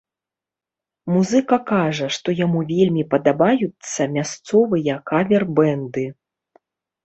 Музыка кажа, што яму вельмі падабаюцца мясцовыя кавер-бэнды.